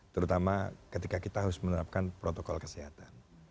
terutama ketika kita harus menerapkan protokol kesehatan